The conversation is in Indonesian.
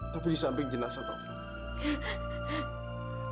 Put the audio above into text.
tapi disamping jenazah taufan